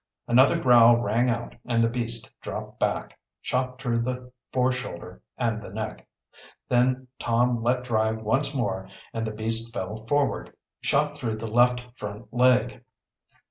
Another growl rang out and the beast dropped back, shot through the foreshoulder and the neck. Then Tom let drive once more and the beast fell forward, shot through the left front leg.